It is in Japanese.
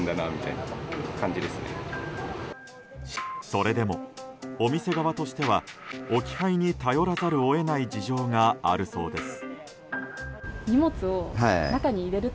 それでもお店側としては、置き配に頼らざるを得ない事情があるそうです。